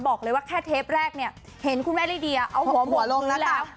บอกเลยว่าแค่เทปแรกเนี่ยเห็นคุณแม่ดีอ้อหัวขึ้นแล้ว